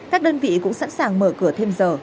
các đơn vị cũng sẵn sàng mở cửa thêm giờ